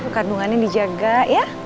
kandungannya dijaga ya